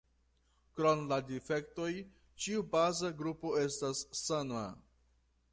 Krom la difektoj, ĉiu baza grupo estas sama.